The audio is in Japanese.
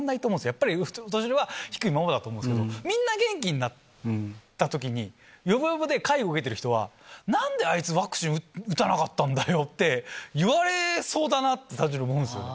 やっぱり低いままだと思うんですけど、みんな元気になったときに、よぼよぼで介護受けてる人は、なんであいつ、ワクチン打たなかったんだよって、言われそうだなって、単純に思うんですよ。